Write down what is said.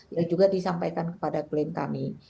yang juga disampaikan kepada klaim kami